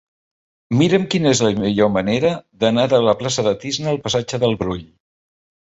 Mira'm quina és la millor manera d'anar de la plaça de Tísner al passatge del Brull.